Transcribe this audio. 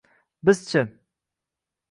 Biz-chi?